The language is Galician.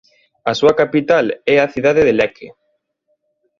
A súa capital é a cidade de Lecce.